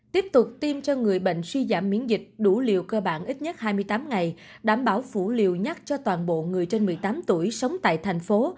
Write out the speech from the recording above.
tiếp tục tiêm cho người bệnh suy giảm miễn dịch đủ liều cơ bản ít nhất hai mươi tám ngày đảm bảo phủ liều nhắc cho toàn bộ người trên một mươi tám tuổi sống tại thành phố